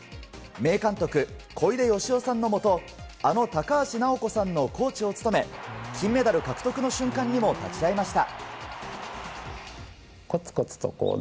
名監督・小出義雄さんのもと、あの高橋尚子さんのコーチも務め、金メダル獲得の瞬間にも立ち会いました。